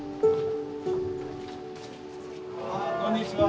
こんにちは。